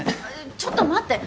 ちょっと待って！